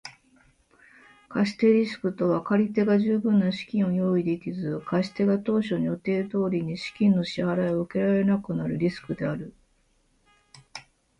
信用リスクとは借り手が十分な資金を用意できず、貸し手が当初の予定通りに資金の支払を受けられなくなるリスクである。